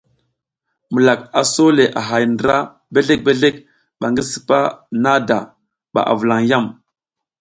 Milak a so le a hay ndra bezlek bezlek ba ngi sipa nada mba a vulan yam.